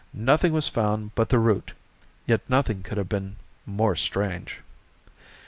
Nothing was found but the root, yet nothing could have been more strange!